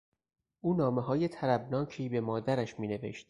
او نامههای طربناکی به مادرش مینوشت.